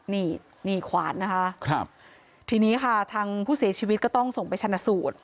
นี่นี่ขวานนะคะครับทีนี้ค่ะทางผู้เสียชีวิตก็ต้องส่งไปชนะสูตร